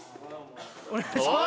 お願いします。